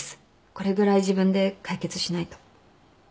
これぐらい自分で解決しないと。